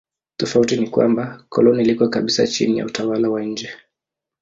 Tofauti ni kwamba koloni liko kabisa chini ya utawala wa nje.